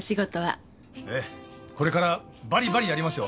ええこれからバリバリやりますよ！